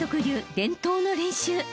流伝統の練習］